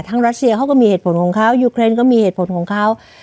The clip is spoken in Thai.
รัสเซียเขาก็มีเหตุผลของเขายูเครนก็มีเหตุผลของเขา